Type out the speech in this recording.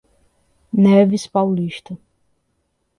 Neves Paulista